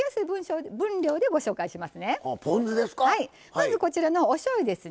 まずこちらのおしょうゆですね。